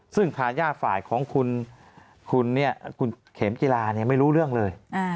ซึ่งทายาทฝ่ายของคุณเข็มจิลาไม่รู้เรื่องเลย